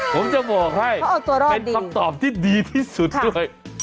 ผมจะบอกให้เขาออกตัวรอดดีเป็นความตอบที่ดีที่สุดด้วยค่ะ